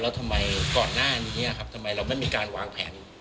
แล้วทำไมก่อนหน้านี้ครับทำไมเราไม่มีการวางแผน